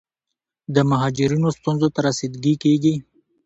د مهاجرینو ستونزو ته رسیدګي کیږي.